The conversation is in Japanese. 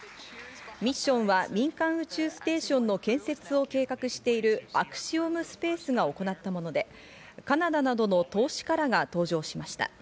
ミッションは民間宇宙ステーションの建設を計画しているアクシオムスペースが行ったもので、カナダなどの投資家らが搭乗しました。